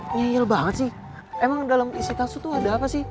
ngeyel banget sih emang dalam isi tasu tuh ada apa sih